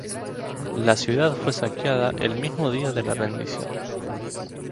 La ciudad fue saqueada el mismo día de la rendición.